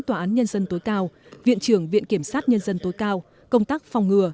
tòa án nhân dân tối cao viện trưởng viện kiểm sát nhân dân tối cao công tác phòng ngừa